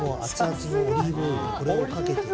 これをかけて。